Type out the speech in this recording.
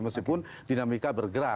meskipun dinamika bergerak